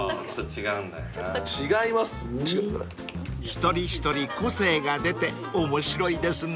［一人一人個性が出て面白いですね］